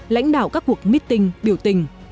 lãnh đạo các cuộc meeting biểu tình